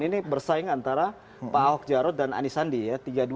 ini bersaing antara pak ahok jarot dan anisandi ya